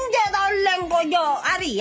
gak tahu kaya gini